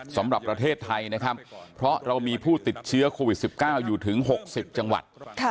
สำหรับประเทศไทยนะครับเพราะเรามีผู้ติดเชื้อโควิด๑๙อยู่ถึง๖๐จังหวัด